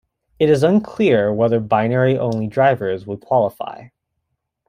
It is unclear whether binary-only drivers would qualify.